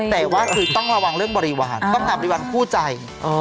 แต่ว่าคือต้องระวังเรื่องบริวารต้องหาบริวารคู่ใจ